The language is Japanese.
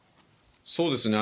そうですね。